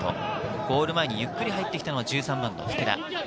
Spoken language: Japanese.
ゴール前にゆっくり入ってきたのが１３番・福田。